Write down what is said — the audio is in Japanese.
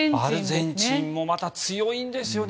アルゼンチンもまた強いんですよね。